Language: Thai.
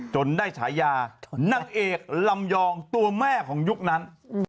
จนได้ฉายานางเอกลำยองตัวแม่ของยุคนั้น